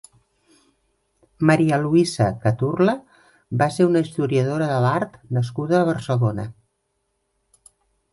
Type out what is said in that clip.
María Luisa Caturla va ser una historiadora de l'art nascuda a Barcelona.